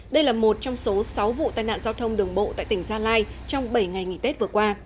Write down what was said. đây là một trong số sáu vụ tai nạn giao thông đường bộ tại tỉnh gia lai trong bảy ngày nghỉ tết vừa qua